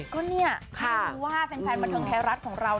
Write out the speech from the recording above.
ก็นี่ถ้ารู้ว่าแฟนแฟนบันทึงไทยรัฐของเรา